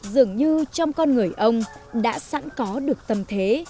dường như trong con người ông đã sẵn có được tâm thế